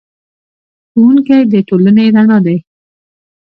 ښوونکی د ټولنې رڼا دی.